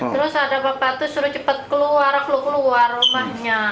terus ada bapak tuh suruh cepat keluar keluar rumahnya